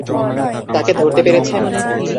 তাকে ধরতে পেরেছেন?